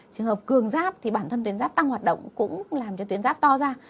trường hợp cường giáp thì bản thân tuyến giáp tăng hoạt động cũng làm cho tuyến ráp to ra